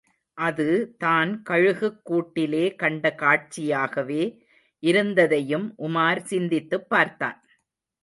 அது தான் கழுகுக்கூட்டிலே கண்ட காட்சியாகவே இருந்ததையும் உமார் சிந்தித்துப் பார்த்தான்.